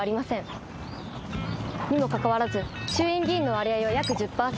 にもかかわらず衆院議員の割合は約１０％。